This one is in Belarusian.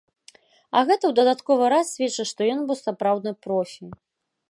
А гэта ў дадатковы раз сведчыць, што ён быў сапраўдны профі.